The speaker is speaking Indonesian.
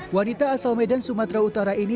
wanita asal medan sumatera utara ini